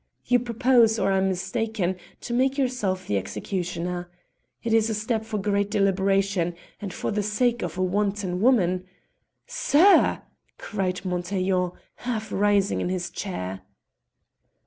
You propose, or I'm mistaken, to make yourself the executioner. It is a step for great deliberation, and for the sake of a wanton woman " "Sir!" cried Montaiglon, half rising in his chair.